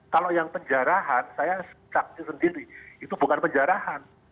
kalau yang penjarahan saya saksi sendiri itu bukan penjarahan